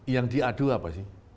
yang diadu apa sih